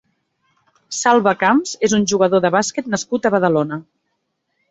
Salva Camps és un jugador de bàsquet nascut a Badalona.